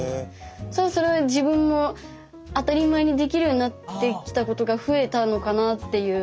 それは自分も当たり前にできるようになってきたことが増えたのかなっていう。